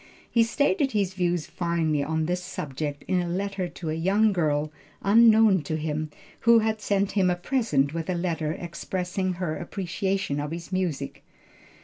He stated his views finely on this subject in a letter to a young girl, unknown to him, who had sent him a present with a letter expressing her appreciation of his music.